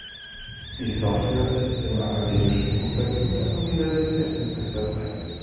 Die Software ist im akademischen Umfeld und an Universitäten weit verbreitet.